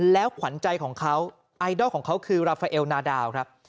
แล้วขวัญใจของเขาไอดอลของเขาคือราฟาเอลนาดาวครับ